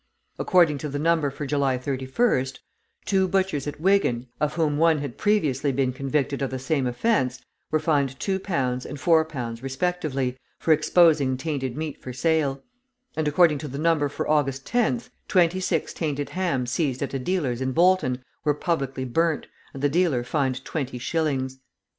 According to the number for July 31st, two butchers at Wigan, of whom one had previously been convicted of the same offence, were fined 2 and 4 pounds respectively, for exposing tainted meat for sale; and, according to the number for August 10th, twenty six tainted hams seized at a dealer's in Bolton, were publicly burnt, and the dealer fined twenty shillings.